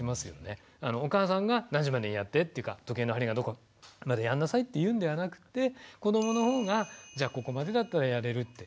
お母さんが何時までにやってっていうか時計の針がどこまでにやんなさいって言うんではなくて子どものほうがじゃあここまでだったらやれるって。